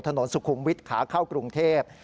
ถนนสุขุมวิทย์ขาเข้ากรุงเทพ